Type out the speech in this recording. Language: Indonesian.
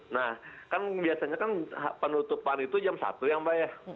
nah kan biasanya kan penutupan itu jam satu ya mbak ya